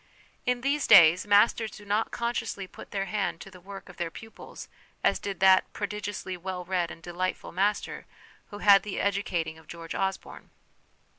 In these days masters do not consciously put their hand to the work of their pupils as did that * prodigiously well read and delightful ' master who had the educating of George Osborne.